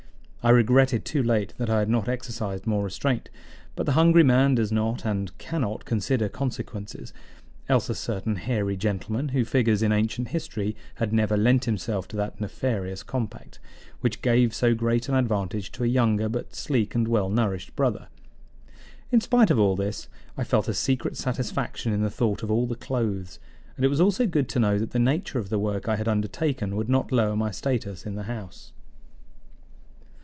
I regretted too late that I had not exercised more restraint; but the hungry man does not and cannot consider consequences, else a certain hairy gentleman who figures in ancient history had never lent himself to that nefarious compact, which gave so great an advantage to a younger but sleek and well nourished brother. In spite of all this, I felt a secret satisfaction in the thought of the clothes, and it was also good to know that the nature of the work I had undertaken would not lower my status in the house.